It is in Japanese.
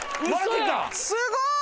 すごーい！